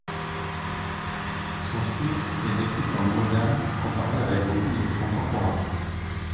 Son style est décrit comme moderne comparé avec beaucoup de ses contemporains.